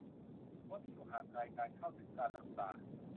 คนที่อยู่ห่างไกลการเข้าถึงการรักษา